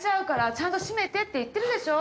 ちゃんと閉めてって言ってるでしょ？